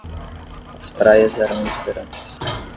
As praias eram exuberantes.